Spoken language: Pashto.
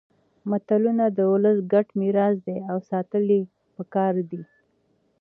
متلونه د ولس ګډ میراث دي او ساتل يې پکار دي